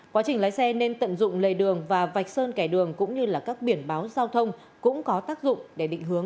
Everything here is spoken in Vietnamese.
quá trình lái xe nên tận dụng lầy đường và vạch sơn kẻ đường cũng như là các biển báo giao thông cũng có tác dụng để định hướng